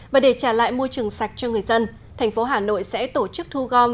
và để trả lại môi trường sạch cho người dân thành phố hà nội sẽ tổ chức thu gom